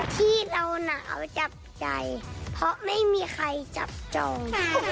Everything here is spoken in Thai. ที่เราหนาวจับใจเพราะไม่มีใครจับจอง